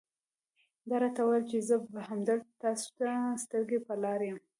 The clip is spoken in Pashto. ده راته وویل چې زه به همدلته تاسو ته سترګې په لار یم.